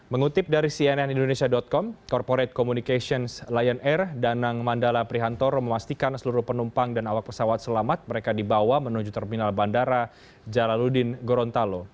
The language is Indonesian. mengutip dari cnn indonesia com corporate communications lion air danang mandala prihantoro memastikan seluruh penumpang dan awak pesawat selamat mereka dibawa menuju terminal bandara jalaludin gorontalo